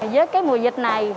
với cái mùa dịch này